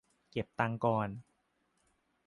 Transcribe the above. เก็บตังค์ก่อน